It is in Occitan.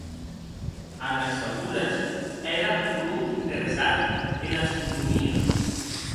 Anaxagores ère pro interessat ena astronomia.